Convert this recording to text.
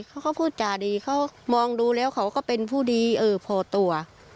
เขาก็พูดจาดีเขามองดูแล้วเขาก็เป็นผู้ดีเออพอตัว